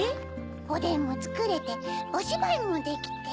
おでんもつくれておしばいもできて。